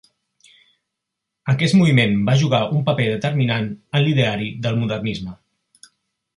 Aquest moviment va jugar un paper determinant en l'ideari del modernisme.